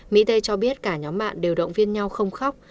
mỹ đây cho biết cả nhóm bạn đều động viên nhau không khóc